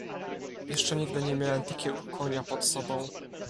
"Jeszcze nigdy nie miałem takiego konia pod sobą."